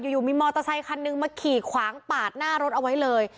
อยู่มีมอเตอร์ไซคันนึงมาขี่ขวางปาดหน้ารถเอาไว้เลย